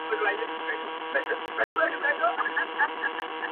هغه د بل د كور ډېوه جوړه ده.